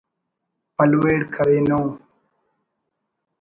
پلویڑ کرینو